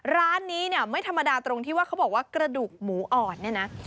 ร้านนี้เนี่ยไม่ธรรมดาตรงที่ว่าเขาบอกว่ากระดูกหมูอ่อนเนี่ยนะ